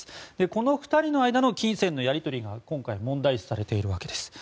この２人の間の金銭のやり取りが今回問題視されているわけです。